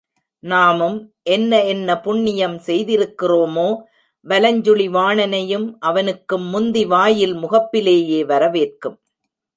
நாமும் என்ன என்ன புண்ணியம் செய்திருக்கிறோமோ, வலஞ்சுழி வாணனையும் அவனுக்கும் முந்தி வாயில் முகப்பிலேயே வரவேற்கும்.